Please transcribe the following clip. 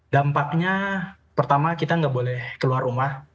dampaknya pertama kita nggak boleh keluar rumah